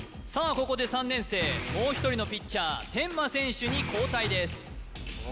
ここで３年生もう１人のピッチャー天間選手に交代です